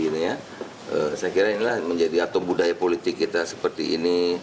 saya kira inilah menjadi atau budaya politik kita seperti ini